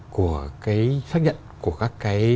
của cái xác nhận của các cái